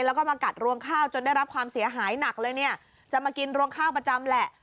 แล้วก็มากัดรวงข้าวจนได้รับความเสียหายหนักเลยเนี่ยจะมากินรวงข้าวประจำแหละ